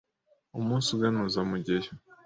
Umunsi uganuza Mugeyo